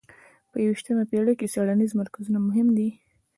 په یویشتمه پېړۍ کې څېړنیز مرکزونه مهم دي.